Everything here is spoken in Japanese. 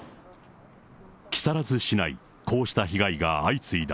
木更津市内、こうした被害が相次いだ。